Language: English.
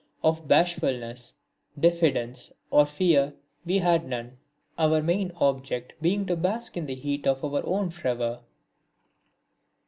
Of bashfulness, diffidence or fear we had none, our main object being to bask in the heat of our own fervour.